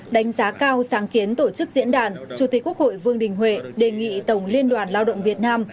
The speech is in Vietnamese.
đánh giá cao sáng kiến tổ chức diễn đàn chủ tịch quốc hội vương đình huệ đề nghị tổng liên đoàn lao động việt nam